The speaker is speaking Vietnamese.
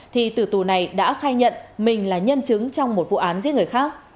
thì tử tù này đã khai nhận mình là nhân chứng trong một vụ án giết người khác